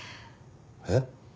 えっ？